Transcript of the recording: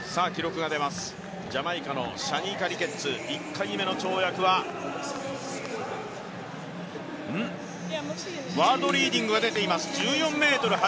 ジャマイカのシャニーカ・リケッツ１回目の跳躍はワールドリーディングが出ています。